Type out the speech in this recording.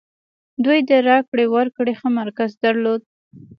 دوی د راکړې ورکړې ښه مرکز درلود.